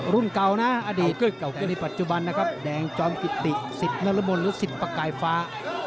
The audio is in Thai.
รุ่นเก่าอดีตแต่ในปัจจุบันแดงจอมกิติสิทธิ์นรมลหรือสิทธิ์ประกายฟ้า